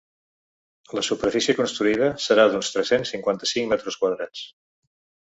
La superfície construïda serà d’uns tres-cents setanta-cinc m².